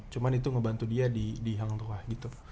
cuman itu ngebantu dia di hang tuah gitu